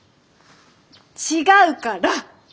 違うから！